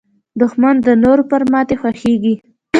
دښمن د نورو پر ماتې خوښېږي